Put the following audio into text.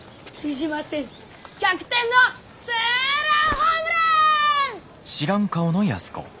雉真選手逆転のツーランホームラン！